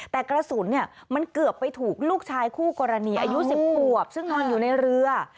แต่กระสุนมันเกือบไปถูกลูกชายคู่กรณีอายุ๑๐ขวบซึ่งนอนอยู่ในเรือ